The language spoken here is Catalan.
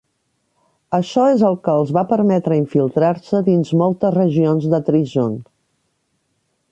Això és el que els va permetre infiltrar-se dins moltes regions de Treason.